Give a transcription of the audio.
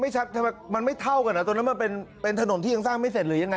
ทำไมมันไม่เท่ากันอ่ะตรงนั้นมันเป็นถนนที่ยังสร้างไม่เสร็จหรือยังไง